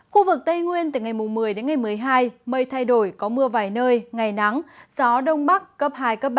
khu vực tây nguyên từ ngày một mươi đến ngày một mươi hai mây thay đổi có mưa vài nơi ngày nắng gió đông bắc cấp hai cấp ba